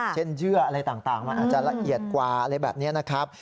เยื่ออะไรต่างมันอาจจะละเอียดกว่าอะไรแบบนี้นะครับ